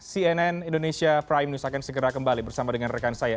cnn indonesia prime news akan segera kembali bersama dengan rekan saya